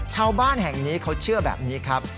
ชาวบ้านแห่งนี้เขาเชื่อแบบนี้ครับ